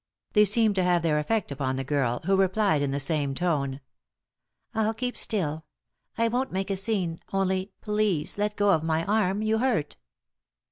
They seemed to have their effect upon the girl, who replied in the same tone. " I'll keep still ; I won't make a scene, only, please let go of my arm, you hurt."